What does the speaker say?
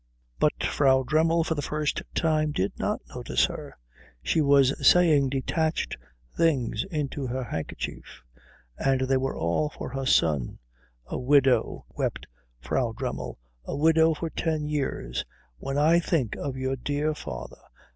But Frau Dremmel for the first time did not notice her. She was saying detached things into her handkerchief, and they were all for her son. "A widow," wept Frau Dremmel. "A widow for ten years. When I think of your dear father.